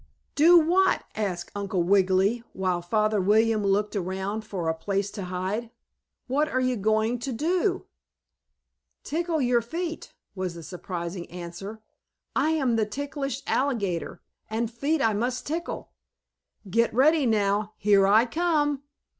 "Do what?" asked Uncle Wiggily, while Father William looked around for a place to hide. "What are you going to do?" "Tickle your feet!" was the surprising answer. "I am the ticklish alligator, and feet I must tickle! Get ready now, here I come."